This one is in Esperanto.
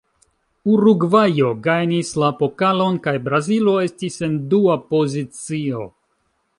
Urugvajo gajnis la pokalon, kaj Brazilo estis en dua pozicio.